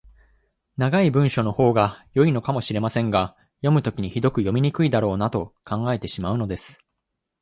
長い文章のほうが良いのかもしれませんが、読むときにひどく読みにくいだろうなと考えてしまうのです。